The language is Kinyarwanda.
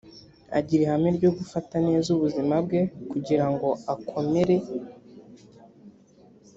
agira ihame ryo gufata neza ubuzima bwe kugirango akomere